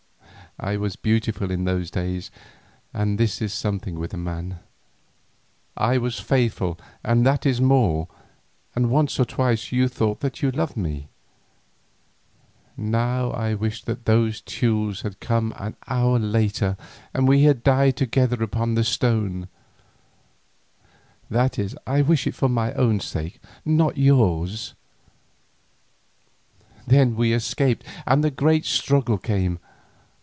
I was beautiful in those days and this is something with a man. I was faithful and that is more, and once or twice you thought that you loved me. Now I wish that those Teules had come an hour later, and we had died together there upon the stone, that is I wish it for my own sake, not for yours. Then we escaped and the great struggle came.